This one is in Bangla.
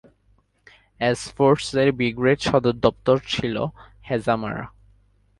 এস ফোর্স এর ব্রিগেড সদর দপ্তর ছিল হেজামারা।